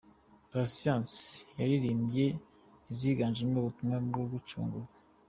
Patient yaririmbye iziganjemo ubutumwa bwo gucungurwa